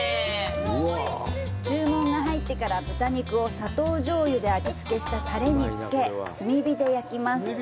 注文が入ってから豚肉を砂糖醤油で味付けしたタレにつけ炭火で焼きます。